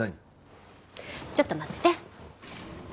ちょっと待ってて。